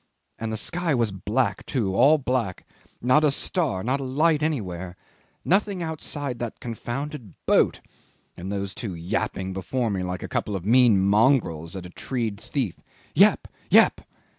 And the sky was black too all black. Not a star, not a light anywhere. Nothing outside that confounded boat and those two yapping before me like a couple of mean mongrels at a tree'd thief. Yap! yap!